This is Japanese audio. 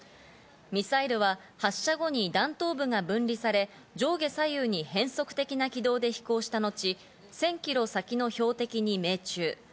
ミサイルは発射後に弾頭部が分離され、上下左右に変則的な軌道で飛行したのち、１０００ｋｍ先の標的に命中。